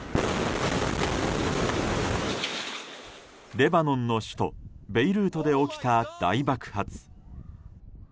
レバノンの首都ベイルートで起きた大爆発。